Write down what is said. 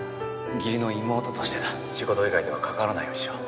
義理の妹と仕事以外では関わらないようにしよう